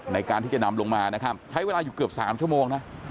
ในการที่จะนำลงมานะครับใช้เวลาอยู่เกือบ๓ชั่วโมงนะ